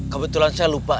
kebetulan saya lupa